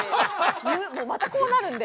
言うまたこうなるんで。